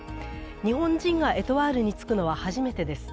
日本人がエトワールに就くのは初めてです。